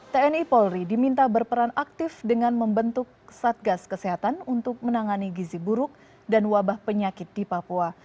tni polri diminta berperan aktif dengan membentuk satgas kesehatan untuk menangani gizi buruk dan wabah penyakit di papua